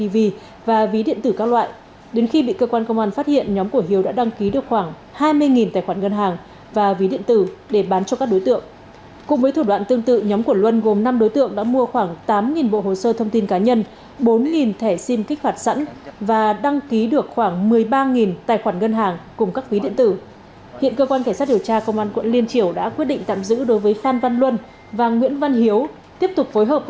và đăng ký được khoảng một mươi ba tài khoản ngân hàng cùng các phí điện tử